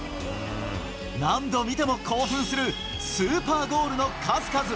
何度見ても興奮するスーパーゴールの数々。